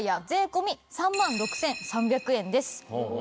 税込３万６３００円です。